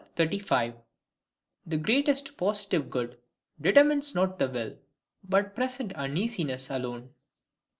35. The greatest positive Good determines not the Will, but present Uneasiness alone.